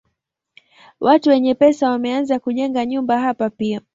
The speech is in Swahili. Watu wenye pesa wameanza kujenga nyumba hapa pia.